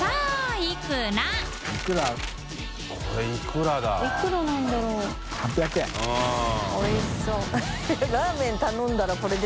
いくらなんだろう？村上）